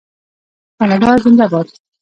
کاناډا زنده باد.